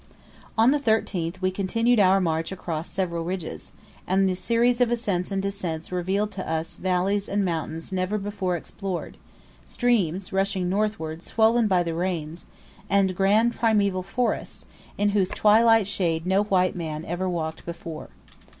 On the 13th we continued our march across several ridges; and the series of ascents and descents revealed to us valleys and mountains never before explored streams; rushing northward, swollen by the rains, and grand primeval forests, in whose twilight shade no white man ever walked before.